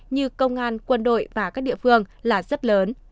như công an quân đội và các địa phương là rất lớn